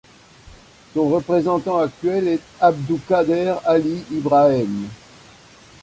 Son représentant actuel est Abduqader Ali Ibrahem.